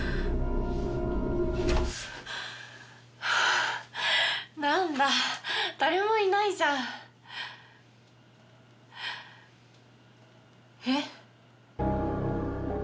はあ何だ誰もいないじゃんえっ？